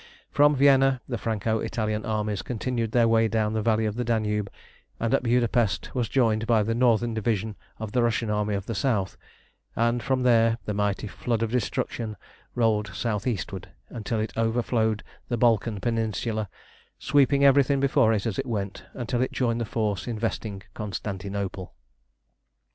From Vienna the Franco Italian armies continued their way down the valley of the Danube, and at Budapest was joined by the northern division of the Russian Army of the South, and from there the mighty flood of destruction rolled south eastward until it overflowed the Balkan peninsula, sweeping everything before it as it went, until it joined the force investing Constantinople.